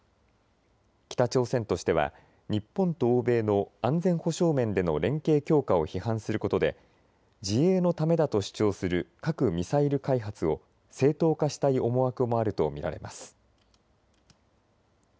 北朝鮮としては日本と欧米の安全保障面での連携強化を批判することで自衛のためだと主張する核・ミサイル開発を正当化したい思惑もあると見られます。